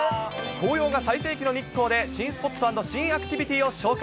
紅葉が最盛期の日光で、新スポット＆新アクティビティを紹介。